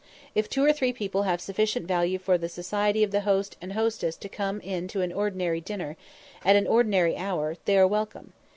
If two or three people have sufficient value for the society of the host and hostess to come in to an ordinary dinner, at an ordinary hour, they are welcome.